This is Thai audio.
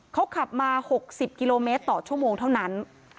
เขาขับมา๖๐กิโลเมตรต่อชั่วโมงเท่านั้น